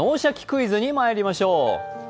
クイズ」にまいりましょう。